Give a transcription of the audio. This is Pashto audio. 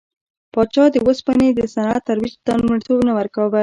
پاچا د اوسپنې د صنعت ترویج ته لومړیتوب نه ورکاوه.